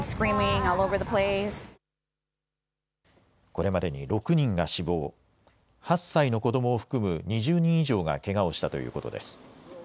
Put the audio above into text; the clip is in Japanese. これまでに６人が死亡、８歳の子どもを含む２０人以上がけがをしたということです。